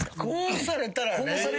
こうされたらね。